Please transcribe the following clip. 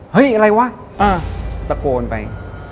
เฮ้ยอะไรวะตะโกนไป